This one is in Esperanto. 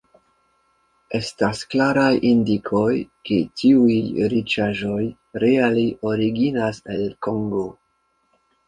Estas klaraj indikoj, ke tiuj riĉaĵoj reale originas el Kongo.